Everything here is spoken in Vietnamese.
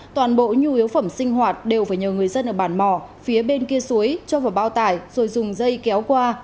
toàn bộ nhu yếu phẩm sinh hoạt đều phải nhờ người dân ở bản mỏ phía bên kia suối cho vào bao tải rồi dùng dây kéo qua